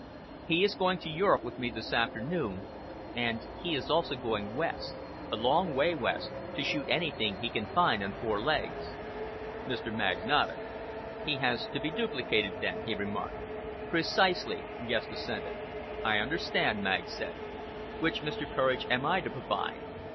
"He is going to Europe with me this afternoon and he is also going West, a long way west, to shoot anything he can find on four legs." Mr. Magg nodded. "He has to be duplicated then!" he remarked. "Precisely," Guest assented. "I understand," Mr. Magg said. "Which Mr. Courage am I to provide?"